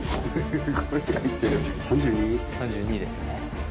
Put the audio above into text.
３２です。